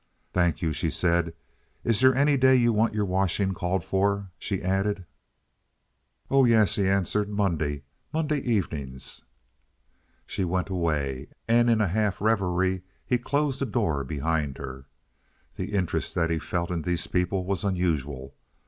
"Thank you," she said. "Is there any day you want your washing called for?" she added. "Oh yes," he answered; "Monday—Monday evenings." She went away, and in a half reverie he closed the door behind her. The interest that he felt in these people was unusual.